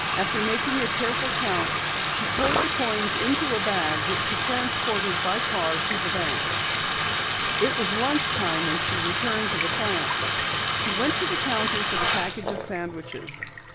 After making a careful count, she poured the coins into a bag which she transported by car to the bank. It was lunch time when she returned to the plant. She went to the counter for the package of sandwiches.